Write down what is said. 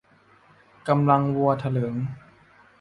กำลังวัวเถลิง